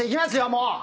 もう。